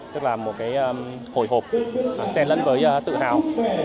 tức là một cái hồi hộp sen lẫn với tự hào